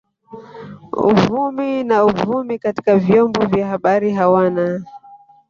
Uvumi na uvumi katika vyombo vya habari hawana